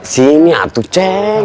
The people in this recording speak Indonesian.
sini atuh ceng